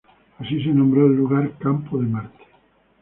Así, se nombró al lugar "Campo de Marte".